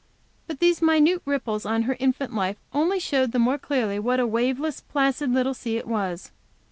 But these minute ripples on her infant life only showed the more clearly what a waveless, placid little sea it was.